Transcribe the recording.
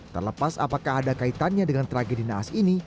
terlepas apakah ada kaitannya dengan tragedi naas ini